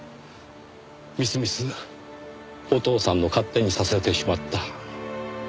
みすみすお父さんの勝手にさせてしまった。